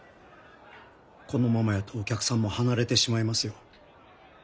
このままやとお客さんも離れてしまいますよ。